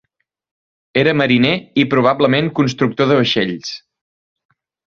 Era mariner i probablement constructor de vaixells.